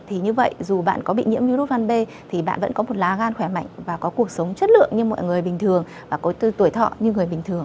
thì như vậy dù bạn có bị nhiễm virus gan b thì bạn vẫn có một lá gan khỏe mạnh và có cuộc sống chất lượng như mọi người bình thường và có tuổi thọ như người bình thường